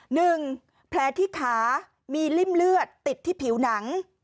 หนึ่งแผลที่ขามีริ่มเลือดติดที่ผิวหนัง